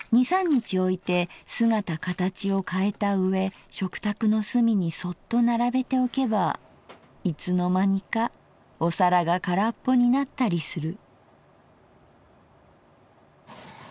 日おいて姿かたちをかえた上食卓の隅にそっと並べておけばいつの間にかお皿がからっぽになったりする」。